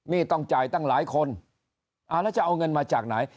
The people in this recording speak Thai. นี่ต้องจ่ายตั้งหลายคนอ่าแล้วจะเอาเงินมาจากไหน